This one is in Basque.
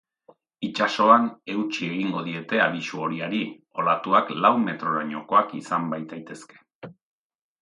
Itsasoan, eutsi egingo diete abisu horiari, olatuak lau metrorainokoak izan baitaitezke.